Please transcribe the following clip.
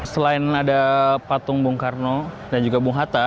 selain ada patung bung karno dan juga bung hatta